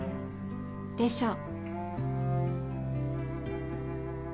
でしょ？